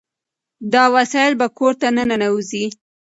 دا وسایل به کور ته ننوځي.